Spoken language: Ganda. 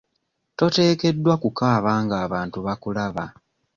Toteekeddwa kukaaba ng'abantu bakulaba.